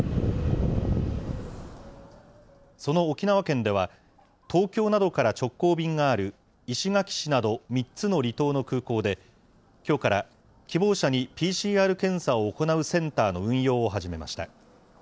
その沖縄県では、東京などから直行便がある石垣市など、３つの離島の空港で、きょうから希望者にＰＣＲ検査を行うセンターの運用を始めました。